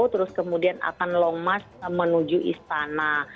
terus kemudian akan longmas menuju istana